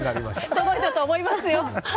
届いたと思いますよ。